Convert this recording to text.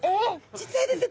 実はですね